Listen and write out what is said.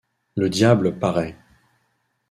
Le diable paraît.